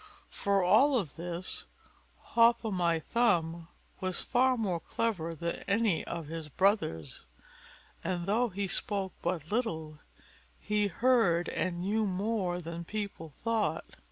For all this, Hop o' my thumb was far more clever than any of his brothers; and though he spoke but little, he heard and knew more than people thought.